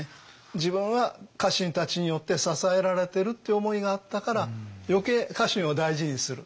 自分は家臣たちによって支えられてるって思いがあったから余計家臣を大事にする。